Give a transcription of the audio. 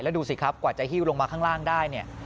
ดูสิครับกว่าจะหิ้วลงมาข้างล่างได้เนี่ย